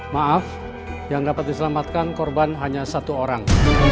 maaf yang dapat diselamatkan korban hanya satu orang